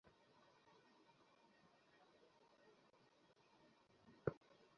তবে পর্যবেক্ষকেরা মনে করছেন, বিজেপির দুর্গে এখনো সেভাবে আঘাত করতে পারেনি কংগ্রেস।